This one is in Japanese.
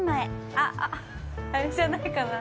あっ、あれじゃないかな？